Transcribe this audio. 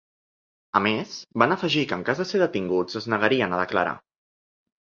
A més, van afegir que en cas de ser detinguts es negarien a declarar.